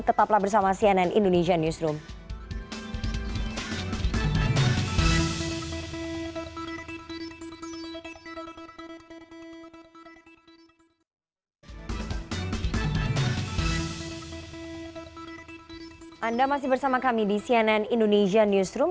tetaplah bersama cnn indonesia newsroom